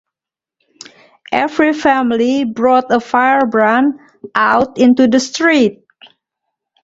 Every family brought a firebrand out into the street.